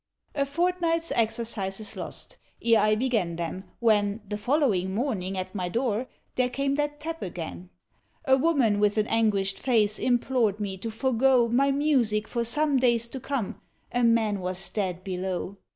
A fortnight's exercises lost, ere I began them, when, The following morning at my door, there came that tap again; A woman with an anguished face implored me to forego My music for some days to come a man was dead below.